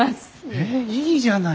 へえいいじゃない！